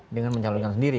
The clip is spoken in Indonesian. dengan mencalonkan sendiri